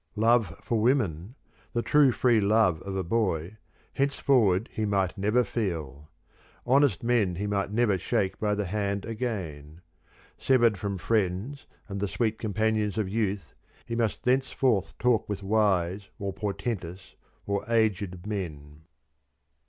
Love for women the true, free love of a boy henceforward he might never feel. Honest men he might never shake by the hand again. Severed from friends and the sweet companions of youth, he must thenceforth talk with wise or portentous or aged men.